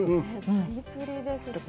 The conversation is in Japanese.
ぷりぷりですし。